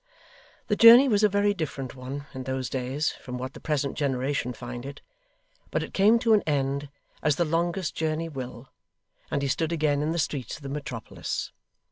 The journey was a very different one, in those days, from what the present generation find it; but it came to an end, as the longest journey will, and he stood again in the streets of the metropolis.